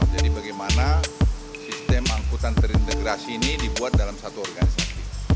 jadi bagaimana sistem angkutan terintegrasi ini dibuat dalam satu organisasi